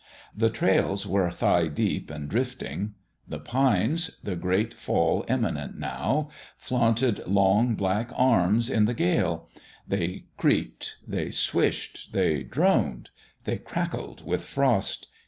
The trails were thigh deep and drifting. The pines their great fall imminent, now flaunted long, black arms 84 The WISTFUL HEART in the gale; they creaked, they swished, they droned, they crackled with frost.